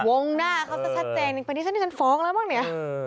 วงหน้าเขาจะชัดแจ้งทีนี้ฉันฟ้องแล้วบ้างเนี่ย